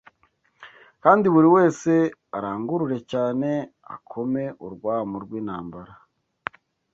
kandi buri wese arangurure cyane akome urwamu rw’intambara.